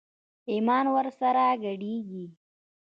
ايمان ور سره ګډېږي.